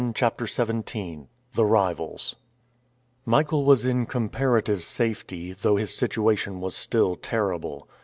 CHAPTER XVII THE RIVALS MICHAEL was in comparative safety, though his situation was still terrible.